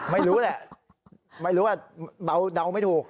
ไม่รู้แหละไม่รู้ว่าเดาไม่ถูก